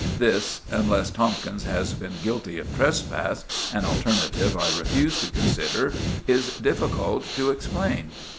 This, unless Tomkins has been guilty of trespass—an alternative I refuse to consider—is difficult to explain."